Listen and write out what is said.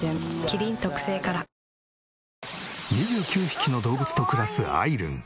２９匹の動物と暮らすあいるん。